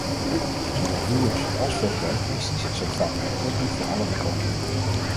Zowel huwelijks- als voogdijkwesties zijn vaak uitputtend voor alle betrokkenen.